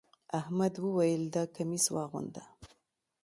احمد وويل: دا کميس واغونده.